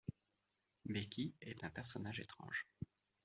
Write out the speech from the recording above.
Becky est un personnage étrange.